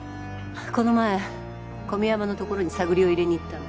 この前小宮山のところに探りを入れにいったの。